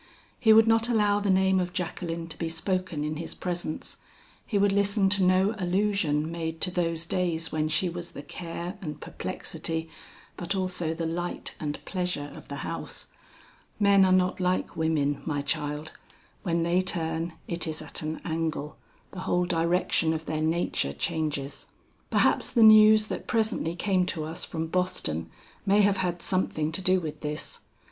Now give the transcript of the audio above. He would not allow the name of Jacqueline to be spoken in his presence; he would listen to no allusion made to those days when she was the care and perplexity, but also the light and pleasure of the house. Men are not like women, my child; when they turn, it is at an angle, the whole direction of their nature changes. "Perhaps the news that presently came to us from Boston may have had something to do with this.